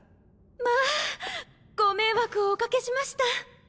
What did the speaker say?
まあ！ご迷惑をおかけしました。